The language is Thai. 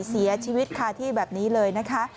เสียชีวิตคาที่แบบนี้เลยนะคะ